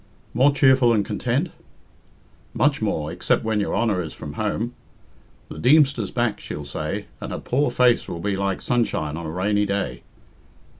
"More cheerful and content?" "Much more, except when your Honour is from home. 'The Deemster's back,' she'll say, and her poor face will be like sunshine on a rainy day."